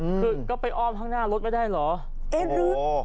คือก็ไปอ้อมข้างหน้ารถไม่ได้เหรอเอ๊ะรถ